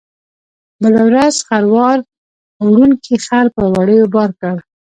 بله ورځ خروار وړونکي خر په وړیو بار کړ.